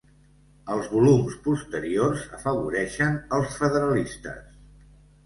Els volums posteriors afavoreixen els federalistes.